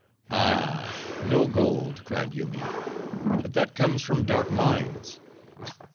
"Ah! no gold," cried Yoomy, "but that comes from dark mines."